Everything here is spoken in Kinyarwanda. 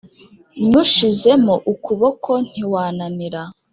nywushyizemo ukuboko ntiwananira,